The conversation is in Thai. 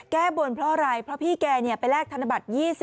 แก้บนเพราะอะไรเพราะพี่แกไปแลกธนบัตร๒๐